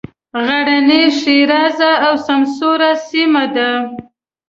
غرنۍ ښېرازه او سمسوره سیمه ده.